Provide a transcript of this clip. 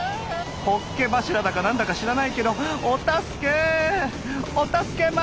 ホッケ柱だかなんだか知らないけどおたすけ！